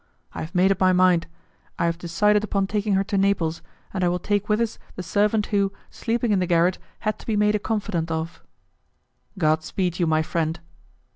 I have made up my mind; I have decided upon taking her to Naples, and I will take with us the servant who, sleeping in the garret, had to be made a confidante of." "God speed you, my friend!"